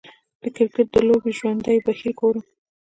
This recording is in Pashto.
د کریکټ د لوبې ژوندی بهیر ګورم